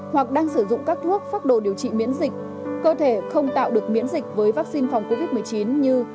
hoặc đang sử dụng các thuốc phác đồ điều trị miễn dịch cơ thể không tạo được miễn dịch với vaccine phòng covid một mươi chín như